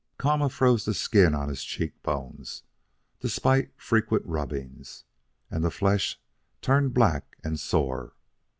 Kama froze the skin on his cheek bones, despite frequent rubbings, and the flesh turned black and sore.